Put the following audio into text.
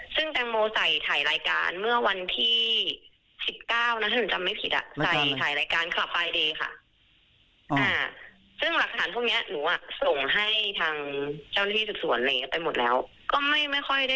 ซึ่งแตงโมใส่ถ่ายรายการเมื่อวันที่๑๙นะถ้าหนูจำไม่ผิด